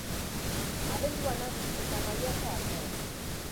Abenduan hasi eta maiatza arte.